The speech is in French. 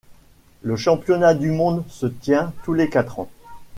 Le championnat du monde se tient tous les quatre ans.